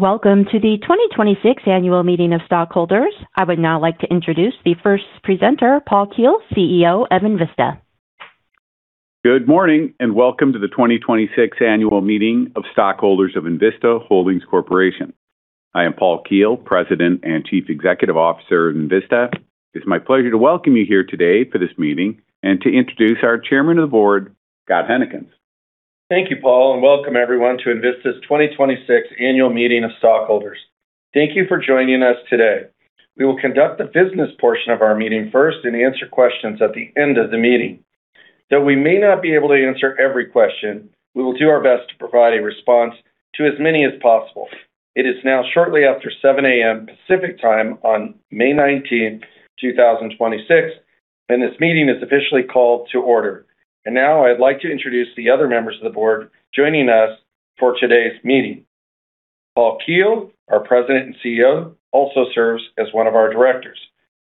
Welcome to the 2026 Annual Meeting of Stockholders. I would now like to introduce the first presenter, Paul Keel, CEO of Envista. Good morning, welcome to the 2026 Annual Meeting of Stockholders of Envista Holdings Corporation. I am Paul Keel, President and Chief Executive Officer of Envista. It's my pleasure to welcome you here today for this meeting and to introduce our Chairman of the Board, Scott Huennekens. Thank you, Paul, welcome everyone to Envista's 2026 Annual Meeting of Stockholders. Thank you for joining us today. We will conduct the business portion of our meeting first and answer questions at the end of the meeting. Though we may not be able to answer every question, we will do our best to provide a response to as many as possible. It is now shortly after 7:00 A.M. Pacific Time on May 19th, 2026, this meeting is officially called to order. Now I'd like to introduce the other members of the board joining us for today's meeting. Paul Keel, our President and CEO, also serves as one of our Directors.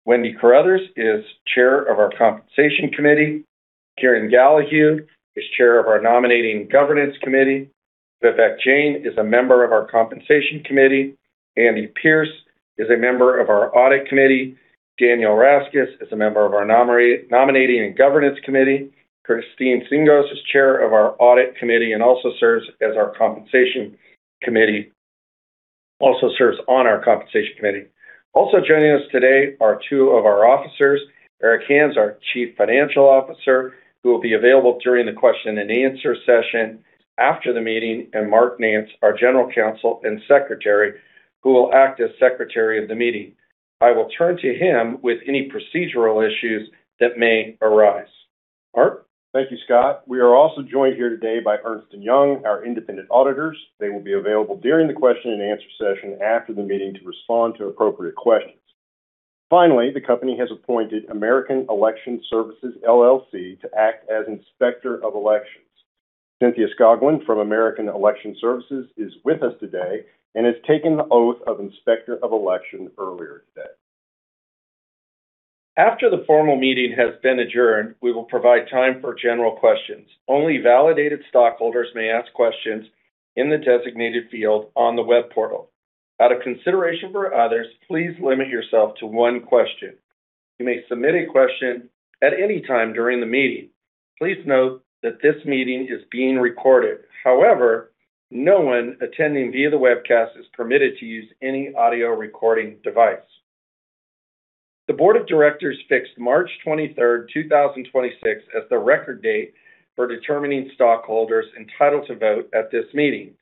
Wendy Carruthers is Chair of our Compensation Committee. Kieran Gallahue is Chair of our Nominating Governance Committee. Vivek Jain is a member of our Compensation Committee. Andy Pierce is a member of our Audit Committee. Daniel Raskas is a member of our Nominating and Governance Committee. Christine Tsingos is Chair of our Audit Committee and also serves on our Compensation Committee. Also joining us today are two of our officers, Eric Hammes, our Chief Financial Officer, who will be available during the question-and-answer session after the meeting, and Mark Nance, our General Counsel and Secretary, who will act as secretary of the meeting. I will turn to him with any procedural issues that may arise. Mark? Thank you, Scott. We are also joined here today by Ernst & Young, our independent auditors. They will be available during the question-and-answer session after the meeting to respond to appropriate questions. Finally, the company has appointed American Election Services, LLC to act as Inspector of Elections. Cynthia Scoggin from American Election Services is with us today and has taken the oath of Inspector of Election earlier today. After the formal meeting has been adjourned, we will provide time for general questions. Only validated stockholders may ask questions in the designated field on the web portal. Out of consideration for others, please limit yourself to one question. You may submit a question at any time during the meeting. Please note that this meeting is being recorded. However, no one attending via the webcast is permitted to use any audio recording device. The board of directors fixed March 23rd, 2026 as the record date for determining stockholders entitled to vote at this meeting.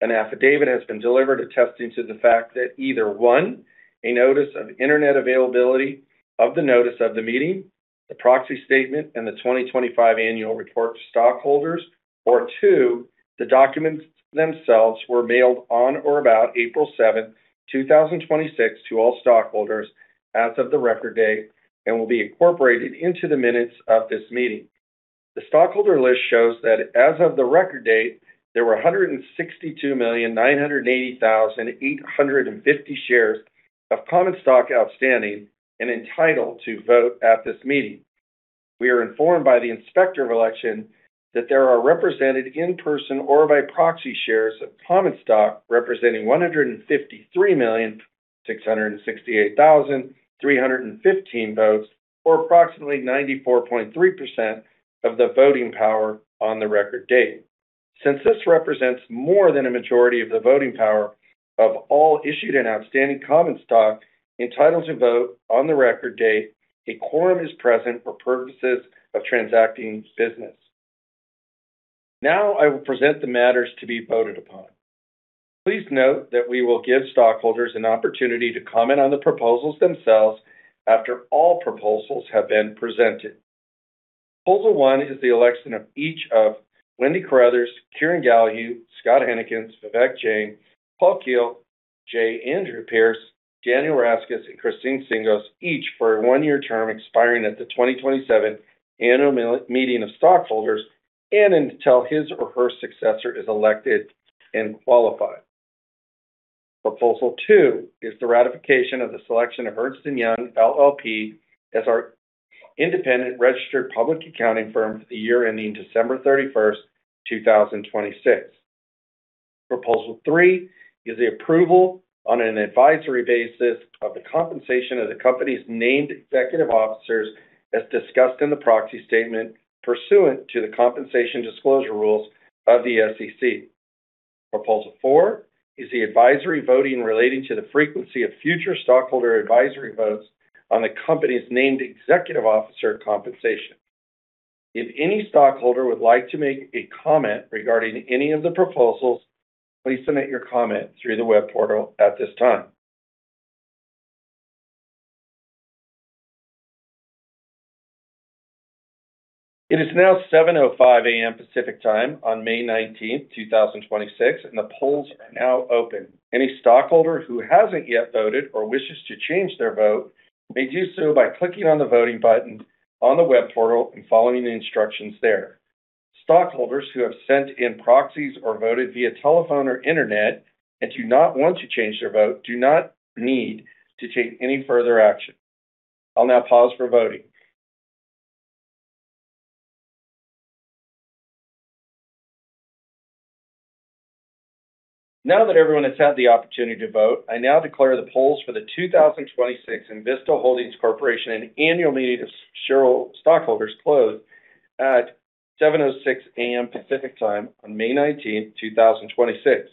An affidavit has been delivered attesting to the fact that either, one, a notice of internet availability of the notice of the meeting, the proxy statement, and the 2025 annual report to stockholders, or two, the documents themselves were mailed on or about April 7th, 2026 to all stockholders as of the record date and will be incorporated into the minutes of this meeting. The stockholder list shows that as of the record date, there were 162,980,850 shares of common stock outstanding and entitled to vote at this meeting. We are informed by the Inspector of Election that there are represented in person or by proxy shares of common stock representing 153,668,315 votes, or approximately 94.3% of the voting power on the record date. Since this represents more than a majority of the voting power of all issued and outstanding common stock entitled to vote on the record date, a quorum is present for purposes of transacting business. Now I will present the matters to be voted upon. Please note that we will give stockholders an opportunity to comment on the proposals themselves after all proposals have been presented. Proposal one is the election of each of Wendy Carruthers, Kieran Gallahue, Scott Huennekens, Vivek Jain, Paul Keel. J. Andrew Pierce, Daniel Raskas, and Christine Tsingos, each for a one-year term expiring at the 2027 annual meeting of stockholders and until his or her successor is elected and qualified. Proposal two is the ratification of the selection of Ernst & Young LLP as our independent registered public accounting firm for the year ending December 31st, 2026. Proposal three is the approval on an advisory basis of the compensation of the company's named executive officers as discussed in the proxy statement pursuant to the compensation disclosure rules of the SEC. Proposal four is the advisory voting relating to the frequency of future stockholder advisory votes on the company's named executive officer compensation. If any stockholder would like to make a comment regarding any of the proposals, please submit your comment through the web portal at this time. It is now 7:05 A.M. Pacific Time on May 19th, 2026. The polls are now open. Any stockholder who hasn't yet voted or wishes to change their vote may do so by clicking on the voting button on the web portal and following the instructions there. Stockholders who have sent in proxies or voted via telephone or internet and do not want to change their vote do not need to take any further action. I'll now pause for voting. Now that everyone has had the opportunity to vote, I now declare the polls for the 2026 Envista Holdings Corporation Annual Meeting of Stockholders closed at 7:06 A.M. Pacific Time on May 19th, 2026.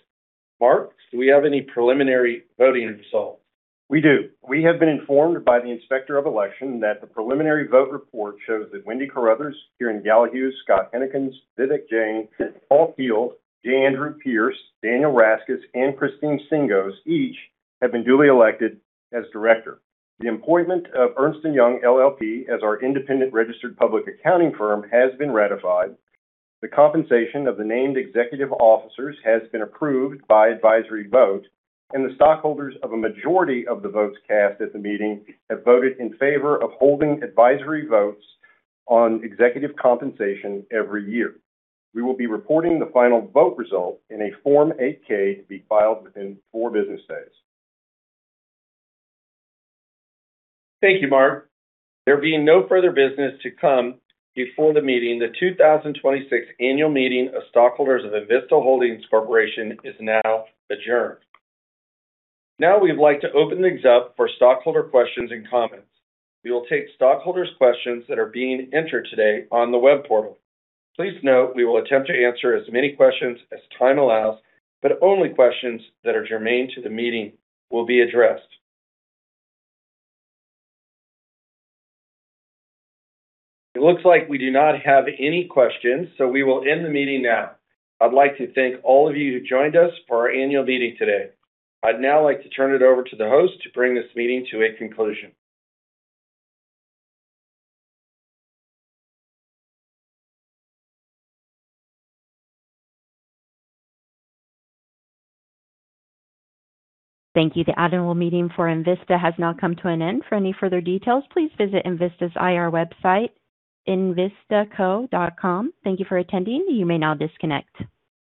Mark, do we have any preliminary voting results? We do. We have been informed by the Inspector of Election that the preliminary vote report shows that Wendy Carruthers, Kieran Gallahue, Scott Huennekens, Vivek Jain, Paul Keel, J. Andrew Pierce, Daniel Raskas, and Christine Tsingos each have been duly elected as director. The appointment of Ernst & Young LLP as our independent registered public accounting firm has been ratified. The compensation of the named executive officers has been approved by advisory vote, and the stockholders of a majority of the votes cast at the meeting have voted in favor of holding advisory votes on executive compensation every year. We will be reporting the final vote result in a Form 8-K to be filed within four business days. Thank you, Mark. There being no further business to come before the meeting, the 2026 Annual Meeting of Stockholders of Envista Holdings Corporation is now adjourned. We would like to open things up for stockholder questions and comments. We will take stockholders questions that are being entered today on the web portal. Please note we will attempt to answer as many questions as time allows, only questions that are germane to the meeting will be addressed. It looks like we do not have any questions, we will end the meeting now. I'd like to thank all of you who joined us for our annual meeting today. I'd now like to turn it over to the host to bring this meeting to a conclusion. Thank you. The Annual Meeting for Envista has now come to an end. For any further details, please visit Envista's IR website, envistaco.com. Thank you for attending. You may now disconnect.